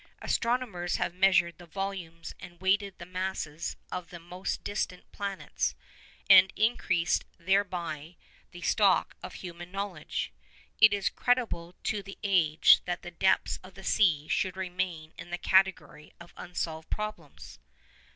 Astronomers have measured the volumes and weighed the masses of the most distant planets, and increased thereby the stock of human knowledge. Is it creditable to the age that the depths of the sea should remain in the category of unsolved problems?